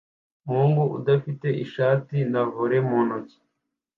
Umuhungu udafite ishati na volley mu ntoki